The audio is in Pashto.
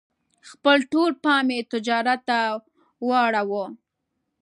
خپل ټول پام یې تجارت ته واړاوه.